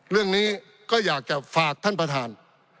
เรื่องนี้ก็อยากจะฝากท่านประธาน